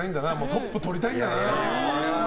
トップとりたいんだな。